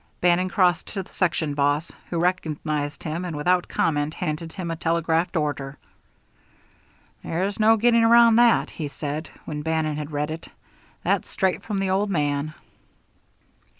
Bannon crossed to the section boss, who recognized him and without comment handed him a telegraphed order. "There's no getting around that," he said, when Bannon had read it. "That's straight from the old man."